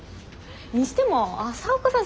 にしても朝岡さん